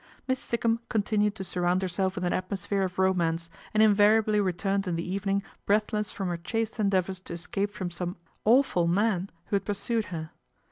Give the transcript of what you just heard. Miss Sikkum continued to surround herself with an atmosphere of romance, and invariably returned in the evening breathless from her chaste endeavours to escape from some " awful man " who had pursued her.